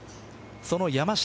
その山下